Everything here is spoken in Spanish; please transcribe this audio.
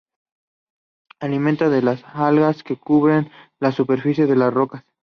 Se alimenta de las algas que cubren la superficie de las rocas.